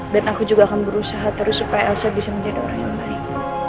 dan aku juga akan berusaha terus supaya elsa bisa menjadi orang yang baik